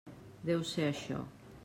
Deu ser això.